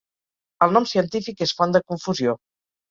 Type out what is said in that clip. El nom científic és font de confusió.